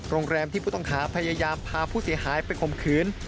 โรงแรมที่ผู้ต้องหาพยายามพาผู้เสียหายไปข่มขืน